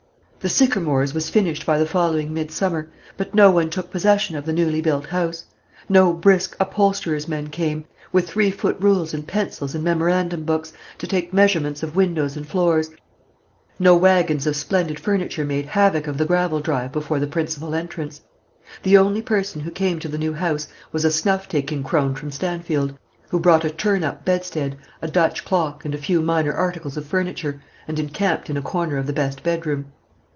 The Sycamores was finished by the following midsummer, but no one took possession of the newly built house; no brisk upholsterer's men came, with three foot rules and pencils and memorandum books, to take measurements of windows and floors; no wagons of splendid furniture made havoc of the gravel drive before the principal entrance. The only person who came to the new house was a snuff taking crone from Stanfield, who brought a turn up bedstead, a Dutch clock, and a few minor articles of furniture, and encamped in a corner of the best bedroom.